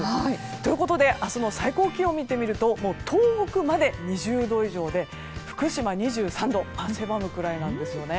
ということで明日の最高気温見てみると東北まで２０度以上で福島２３度汗ばむくらいなんですよね。